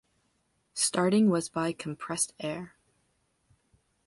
Starting was by compressed air.